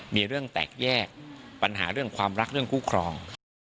มีเรื่องแตกแยกปัญหาเรื่องความรักเรื่องคู่ครอง